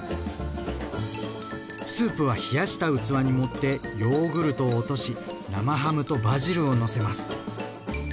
スープは冷やした器に盛ってヨーグルトを落とし生ハムとバジルをのせます。